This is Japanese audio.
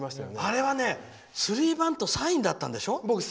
あれはね、スリーバントサインだったんでしょ？